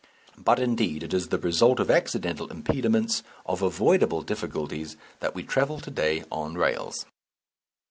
But indeed it is the result of accidental impediments, of avoidable difficulties that we travel to day on rails.